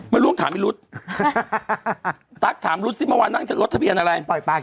ไม่รู้ถามวิลุธจั๊กถามลุธซิเมื่อวานนั่งอันไตรลดทะเบียนอะไร